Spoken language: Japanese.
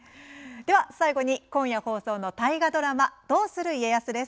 最後に、今夜放送の大河ドラマ「どうする家康」です。